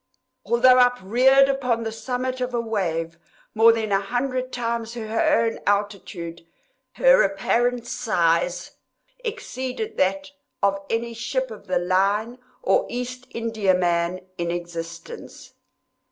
Although upreared upon the summit of a wave more than a hundred times her own altitude, her apparent size exceeded that of any ship of the line or East Indiaman in existence.